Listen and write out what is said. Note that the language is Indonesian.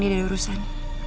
dia ada urusan